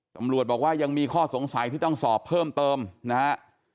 ตำรวจบอกว่ายังมีข้อสงสัยที่ต้องสอบเพิ่มเติมนะฮะ